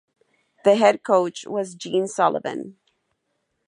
The head coach was Gene Sullivan.